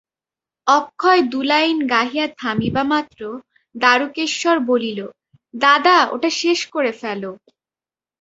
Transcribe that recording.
অক্ষয় দু-লাইন গাহিয়া থামিবামাত্র দারুকেশ্বর বলিল, দাদা, ওটা শেষ করে ফেলো!